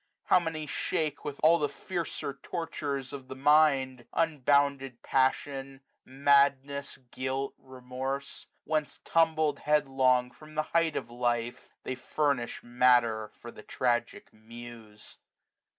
How many shake With all the fiercer tortures of the mind. Unbounded passion, madness, guilt, remorse; 34a Whence tumbled headlong from the height of life. They furnish matter for the tragic Muse.